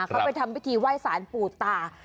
เขาไปทำพิธีไหว้สารปู่ตา